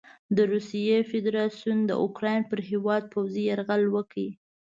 د روسیې فدراسیون د اوکراین پر هیواد پوځي یرغل وکړ.